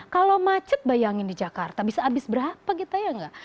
kalau macet bayangin di jakarta bisa habis berapa gitu ya enggak